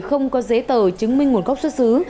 không có giấy tờ chứng minh nguồn gốc xuất xứ